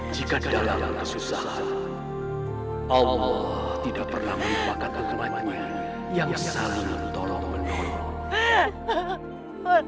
jika dalam kesusahan allah tidak pernah melupakan kekematian yang saling menolong menolong